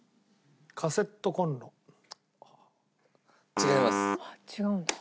違います。